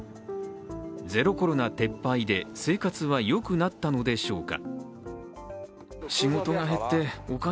ゼロコロナ撤廃で生活は良くなったのでしょうか。